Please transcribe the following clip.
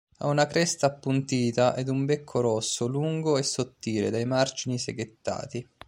Ha una cresta appuntita ed un becco rosso lungo e sottile dai margini seghettati.